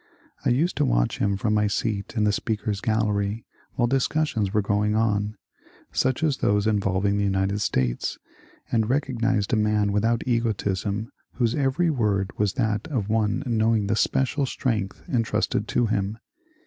I used to watch him from my seat in the Speaker's gallery while discussions were going on, such as those in volving the United States, and recognized a man without egotism whose every word was that of one knowing the special strength entrusted to him.